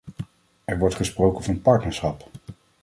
Er wordt gesproken van partnerschap.